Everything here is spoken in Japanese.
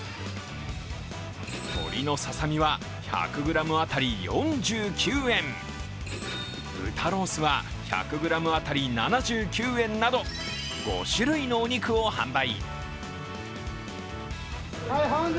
鶏のささみは１００ｇ当たり４９円、豚ロースは１００ｇ当たり７９円など５種類のお肉を販売。